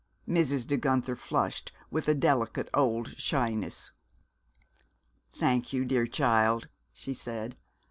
Mrs. De Guenther flushed, with a delicate old shyness. "Thank you, dear child," she said.